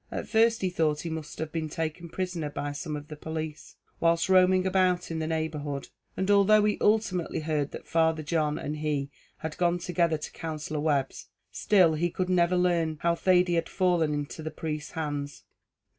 At first he thought he must have been taken prisoner by some of the police, whilst roaming about in the neighbourhood; and although he ultimately heard that Father John and he had gone together to Counsellor Webb's, still he never could learn how Thady had fallen into the priest's hands.